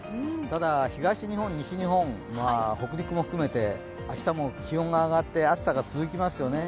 ただ、東日本、西日本北陸も含めて明日も気温が上がって暑さが続きますよね。